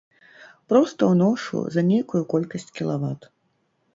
Проста ўношу за нейкую колькасць кілават.